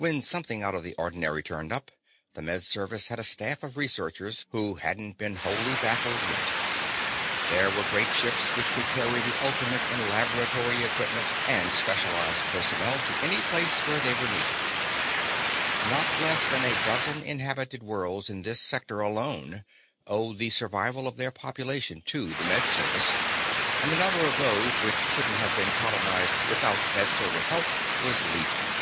When something out of the ordinary turned up, the Med Service had a staff of researchers who hadn't been wholly baffled yet. There were great ships which could carry the ultimate in laboratory equipment and specialized personnel to any place where they were needed. Not less than a dozen inhabited worlds in this sector alone owed the survival of their populations to the Med Service, and the number of those which couldn't have been colonized without Med Service help was legion.